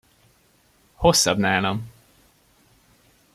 Hosszabb nálam!